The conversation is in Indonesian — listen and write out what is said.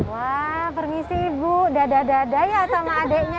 wah permisi ibu dadah dadah ya sama adeknya